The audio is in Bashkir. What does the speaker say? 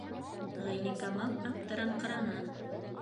Ғәйникамал аптыраңҡыраны: